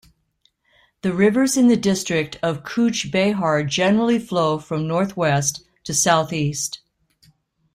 The rivers in the district of Cooch Behar generally flow from northwest to southeast.